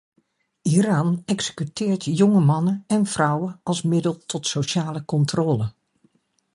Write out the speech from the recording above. Iran executeert jonge mannen en vrouwen als middel tot sociale controle.